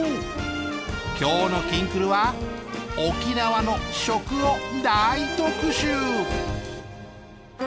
今日の「きんくる」は沖縄の食を大特集！